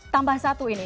tambah satu ini